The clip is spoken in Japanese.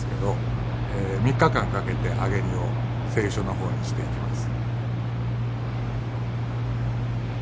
３日間かけて揚荷を製油所の方にしていきます。